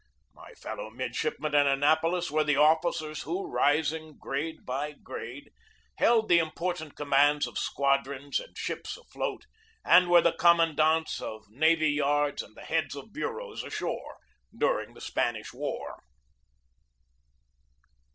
My fel low midshipmen at Annapolis were the officers who, rising grade by grade, held the important commands of squadrons and ships afloat, and were the com mandants of navy yards and the heads of bureaus ashore during the Spanish War.